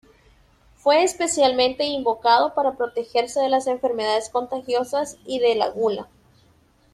Fue especialmente invocado para protegerse de las enfermedades contagiosas y de la gula.